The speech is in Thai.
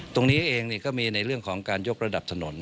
ตรงนี้เองก็มีในเรื่องของการยกระดับถนน